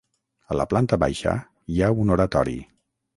A la planta baixa hi ha un oratori.